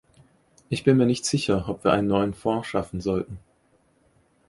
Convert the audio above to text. Ich bin mir nicht sicher, ob wir einen neuen Fonds schaffen sollten.